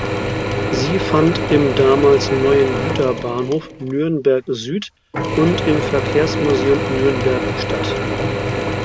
Sie fand im damals neuen Güterbahnhof Nürnberg Süd und im Verkehrsmuseum Nürnberg statt.